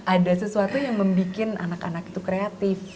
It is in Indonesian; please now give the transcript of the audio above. ada sesuatu yang membuat anak anak itu kreatif